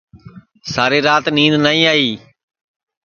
ساری رات نید نائی آئی